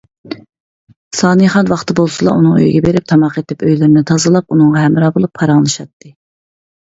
سانىخان ۋاقتى بولسىلا ئۇنىڭ ئۆيىگە بېرىپ تاماق ئېتىپ، ئۆيلىرىنى تازىلاپ، ئۇنىڭغا ھەمراھ بولۇپ پاراڭلىشاتتى.